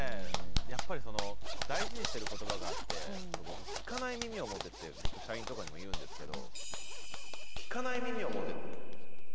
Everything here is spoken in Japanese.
やっぱりその大事にしてる言葉があって僕聞かない耳を持てって僕社員とかにも言うんですけど。